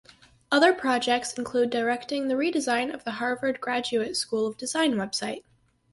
Other projects include directing the redesign of the Harvard Graduate School of Design website.